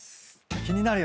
気になる。